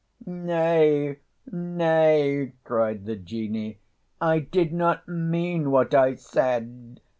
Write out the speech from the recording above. '" "Nay, nay," cried the Genie, "I did not mean what I said!